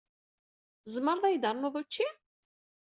Tzemreḍ ad iyi-d-ternuḍ učči?